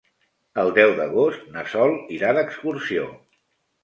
El deu d'agost na Sol irà d'excursió.